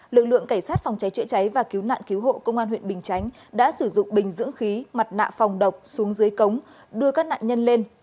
lực lượng cảnh sát phòng cháy chữa cháy và cứu nạn cứu hộ công an huyện bình chánh đã sử dụng bình dưỡng khí mặt nạ phòng độc xuống dưới cống đưa các nạn nhân lên